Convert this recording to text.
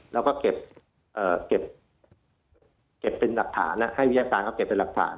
แล้วก็เก็บเป็นหลักฐานให้วิทยาการเขาเก็บเป็นหลักฐาน